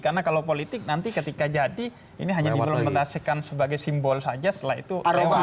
karena kalau politik nanti ketika jadi ini hanya diperlukan sebagai simbol saja setelah itu